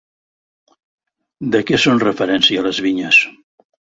De què són referència les vinyes?